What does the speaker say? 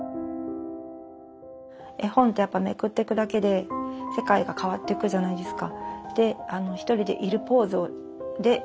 絵本ってやっぱめくっていくだけで世界が変わっていくじゃないですか。